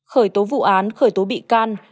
khởi tố vụ án khởi tố bị can